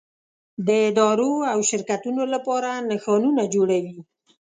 د ادارو او شرکتونو لپاره نښانونه جوړوي.